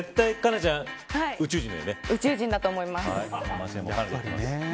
宇宙人だと思います。